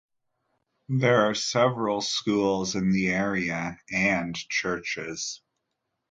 There are several schools in the area and churches.